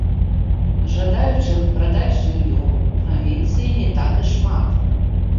Жадаючых прадаць жыллё ў правінцыі не так і шмат.